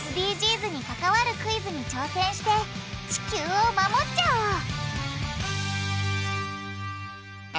ＳＤＧｓに関わるクイズに挑戦して地球を守っちゃおう！